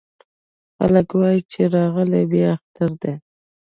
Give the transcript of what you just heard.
خلک وايې چې راغلی بيا اختر دی